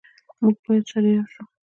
موږ باید سره ېو شو